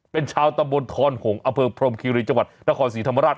เป็นชาวตำบลทอนหงอเภอพรมคีรีจังหวัดนครศรีธรรมราช